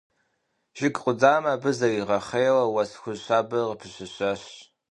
Жыг къудамэр абы зэригъэхъейуэ уэс хужь щабэр къыпыщэщащ.